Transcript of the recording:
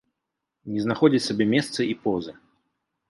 Не знаходзіць сабе месца і позы.